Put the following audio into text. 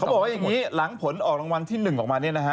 บอกว่าอย่างนี้หลังผลออกรางวัลที่๑ออกมาเนี่ยนะฮะ